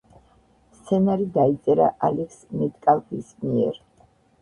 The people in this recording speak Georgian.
სცენარი დაიწერა ალექს მეტკალფის მიერ.